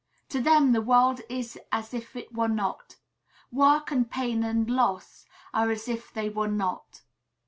To them the world is as if it were not. Work and pain and loss are as if they were not.